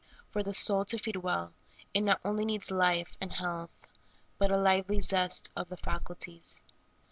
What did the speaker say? For the soul to feed well, it not only needs life and health, but a lively zest of the faculties.